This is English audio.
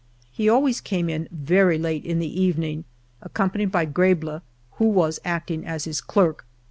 He always came in very late in the evening, accompanied by Gribelin, who was acting as his clerk.